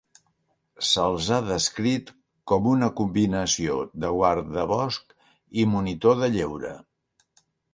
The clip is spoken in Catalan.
Se'ls ha descrit com una combinació de guardabosc i monitor de lleure.